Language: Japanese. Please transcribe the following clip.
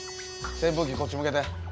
扇風機こっち向けて。